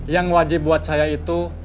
yang wajib buat saya itu